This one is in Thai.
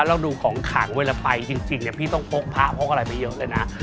เราดูของขังเวลาไปจริงเนี่ยพี่ต้องพกพระพกอะไรไปเยอะเลยนะ